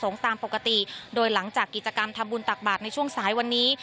ตามปกติโดยหลังจากกิจกรรมทำบุญตักบาทในช่วงสายวันนี้